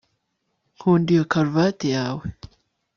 nkunda iyo karuvati yawe